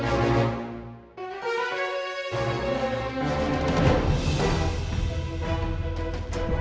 aku sudah melgunt dia